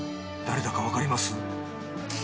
誰だかわかります？